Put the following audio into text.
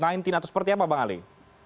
atau seperti apa bang ali